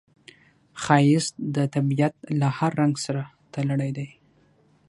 ښایست د طبیعت له هر رنګ سره تړلی دی